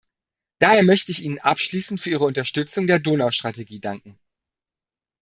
Daher möchte ich Ihnen abschließend für Ihre Unterstützung der Donaustrategie danken.